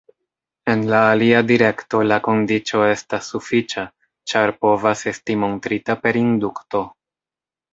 En la alia direkto, la kondiĉo estas sufiĉa, ĉar povas esti montrita per indukto.